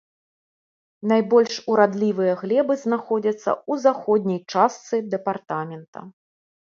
Найбольш урадлівыя глебы знаходзяцца ў заходняй частцы дэпартамента.